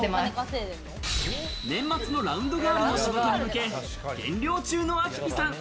年末のラウンドガールの仕事に向け、減量中のあきぴさん。